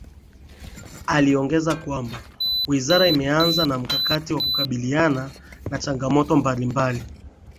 Aliongeza kwamba Wizara imeanza na mkakati wa kukabiliana na changamoto mbalimbali